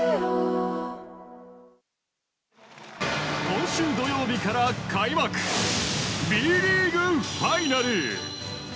今週土曜日から開幕Ｂリーグファイナル。